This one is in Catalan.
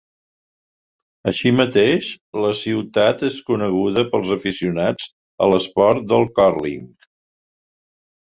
Així mateix, la ciutat és coneguda pels aficionats a l'esport del curling.